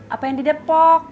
apa yang di depok